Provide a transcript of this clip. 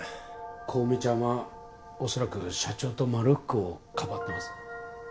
小梅ちゃんは恐らく社長とまるふくをかばってます。